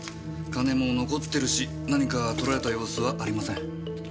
金も残ってるし何か盗られた様子はありません。